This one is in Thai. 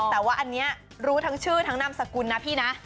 แต่ว่าอันนี้รู้ทั้งชื่อทั้งนามสกุลนะพี่นะ